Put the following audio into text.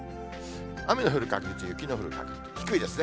雨の降る確率、雪の降る確率、低いですね。